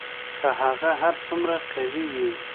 که هغه هر څومره قوي وي